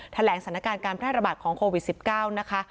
แถลงสถานการณ์การแพร่ระบาดของโควิด๑๙นะคะ